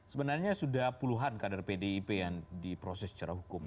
sebenarnya sudah puluhan kader pdip yang diproses secara hukum